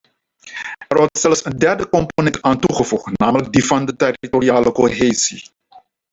Er wordt zelfs een derde component aan toegevoegd, namelijk die van de territoriale cohesie.